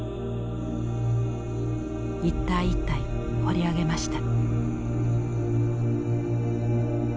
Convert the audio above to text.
一体一体彫り上げました。